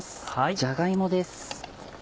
じゃが芋です。